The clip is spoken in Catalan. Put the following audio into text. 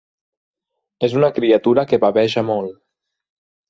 És una criatura que baveja molt.